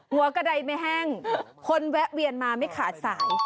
หัวกระดายไม่แห้งคนแวะเวียนมาไม่ขาดสาย